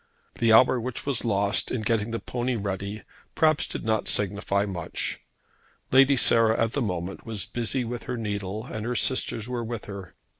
The hour which was lost in getting the pony ready, perhaps, did not signify much. Lady Sarah, at the moment, was busy with her needle, and her sisters were with her.